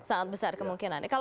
sangat besar kemungkinan